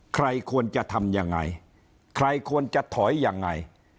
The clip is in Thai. ใครควรจะทำยังไงใครควรจะถอยยังไง